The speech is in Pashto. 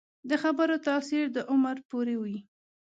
د خبرو تاثیر د عمر پورې وي